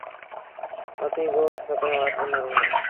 اسيٚݩ ڳوٺ سترين وآٽر ميݩ رهوݩ دآ